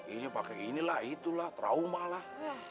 ini pakai inilah itulah trauma lah